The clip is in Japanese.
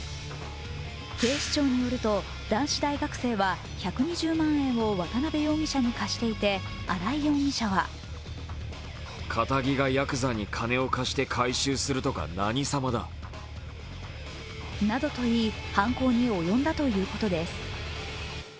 警視庁によると、男子大学生は１２０万円を渡辺容疑者に貸していて、荒井容疑者はなどと言い、犯行に及んだということです。